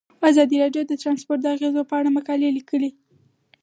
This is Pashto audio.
ازادي راډیو د ترانسپورټ د اغیزو په اړه مقالو لیکلي.